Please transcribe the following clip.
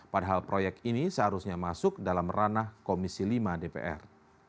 padahal proyek ini seharusnya masuk dalam ranah komisi lima dpr